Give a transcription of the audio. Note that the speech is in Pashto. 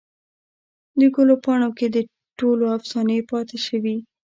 دګلو پاڼوکې دټولو افسانې پاته شوي